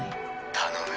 頼む